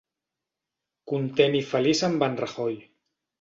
Content i feliç amb en Rajoy.